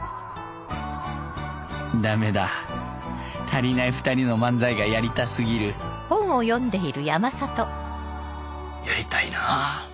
ダメだたりないふたりの漫才がやりた過ぎるやりたいなぁ。